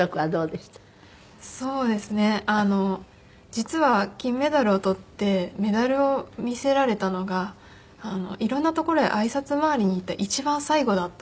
実は金メダルを取ってメダルを見せられたのが色んな所へ挨拶回りに行った一番最後だったんです。